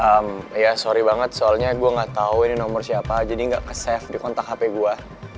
ehm ya sorry banget soalnya gue gak tau ini nomor siapa jadi gak ke save di kontak hape gue